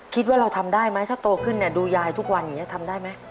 คิดว่าเราทำได้ไหมถ้าโตขึ้นเนี่ยดูยายทุกวันอย่างนี้ทำได้ไหม